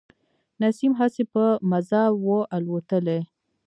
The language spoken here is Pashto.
نسیم هسي په مزه و الوتلی.